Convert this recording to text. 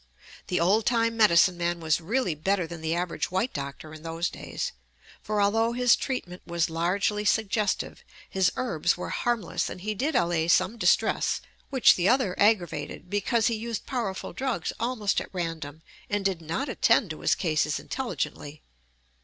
The old time "medicine man" was really better than the average white doctor in those days, for although his treatment was largely suggestive, his herbs were harmless and he did allay some distress which the other aggravated, because he used powerful drugs almost at random and did not attend to his cases intelligently.